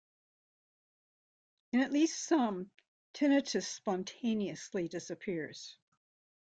In at least some, tinnitus spontaneously disappears.